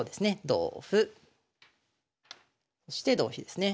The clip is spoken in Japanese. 同歩そして同飛ですね。